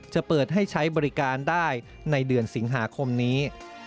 จะเปิดให้ใช้บริการได้ในเดือนสิงหาคมนี้